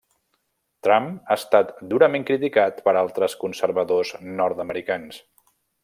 Trump ha estat durament criticat per altres conservadors nord-americans.